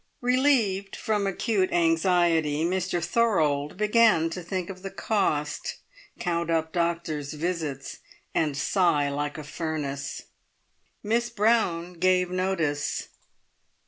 Relieved from acute anxiety, Mr Thorold began to think of the cost, count up doctors' visits, and sigh like a furnace; Miss Brown gave notice.